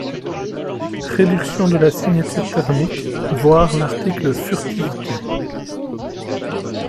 Réduction de la signature thermique voir l'article furtivité.